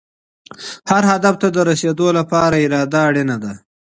هر هدف ته د رسېدو لپاره اراده اړینه ده.